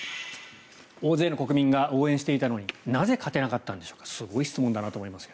大勢の国民が応援していたのになぜ勝てなかったんでしょうかすごい質問だなと思いますが。